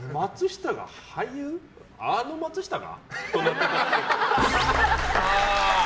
あの松下が？